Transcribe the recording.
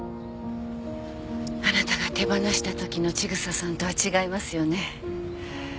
あなたが手放したときの千草さんとは違いますよね？